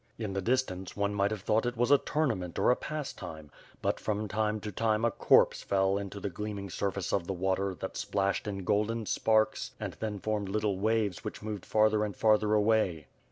In the distance one might have thought it was a tourna ment or a pastime; but from time to time a corpse fell into the gleaming surface of the water that splashed in golden sparks and then formed little waves which moved farther and farther away.